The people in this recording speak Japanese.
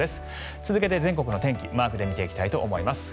続けて全国の天気をマークで見ていきたいと思います。